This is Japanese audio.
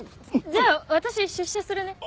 じゃあ私出社するね。